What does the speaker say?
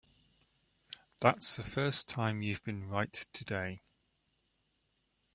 That's the first time you've been right today.